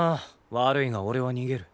悪いが俺は逃げる。